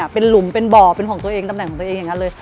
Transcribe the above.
เป็นหลุมเป็นบ่อเป็นของตัวเองตำแหน่งของตัวเองอย่างนั้นเลย